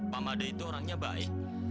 pak made itu orangnya baik